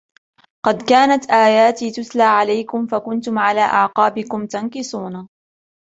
قد كانت آياتي تتلى عليكم فكنتم على أعقابكم تنكصون